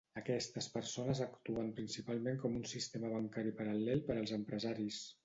Aquestes persones actuen principalment com un sistema bancari paral·lel per als empresaris.